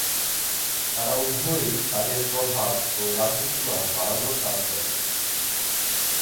তারা উভয়েই তাদের প্রভাব ও রাজ্য সীমা বাড়ানোর দাবী করে।